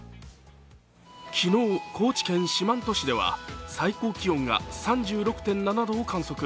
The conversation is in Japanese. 昨日、高知県四万十市では最高気温が３６．７度を観測。